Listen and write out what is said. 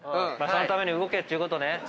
そのために動けっていうことね。